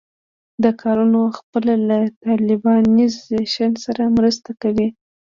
دا کارونه پخپله له طالبانیزېشن سره مرسته کوي.